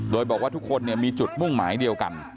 โดยบอกว่าทุกคนมีจุดมุ่งหมายเดียวกัน